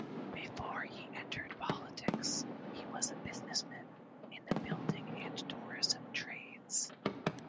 Before he entered politics, he was a businessman in the building and tourism trades.